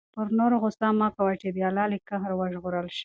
پر نورو غصه مه کوه چې د الله له قهر وژغورل شې.